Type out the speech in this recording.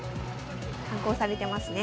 観光されてますね。